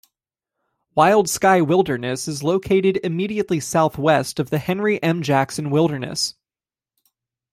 Wild Sky Wilderness is located immediately southwest of the Henry M. Jackson Wilderness.